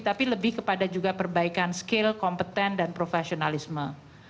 tapi lebih kepada juga perbaikan skill kompeten dan profesionalisme